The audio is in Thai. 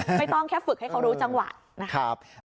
ไม่ต้องแค่ฝึกให้เขารู้จังหวะนะครับ